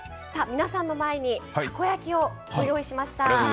皆さんの前に、たこ焼きをご用意しました。